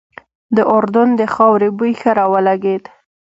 د اردن د خاورې بوی ښه را ولګېده.